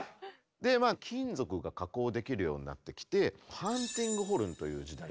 金属が加工できるようになってきてハンティングホルンという時代になったんですね。